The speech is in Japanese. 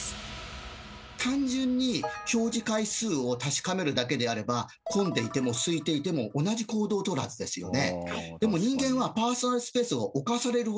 単純に表示階数を確かめるだけであれば混んでいてもすいていても同じ行動をとるはずですよね。